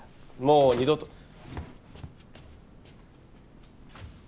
もう二度と。